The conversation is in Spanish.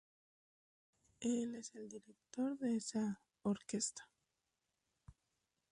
Él es el director de esa orquesta.